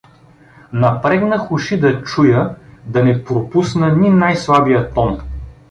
Напрегнах уши да чуя, да не пропусна ни най-слабия тон.